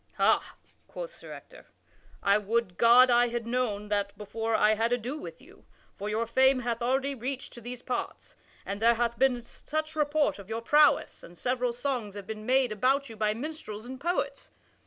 "Ha," quoth Sir Ector, "I would God I had known that before I had ado with you, for your fame hath already reached to these parts, and there hath been such report of your prowess and several songs have been made about you by minstrels and poets.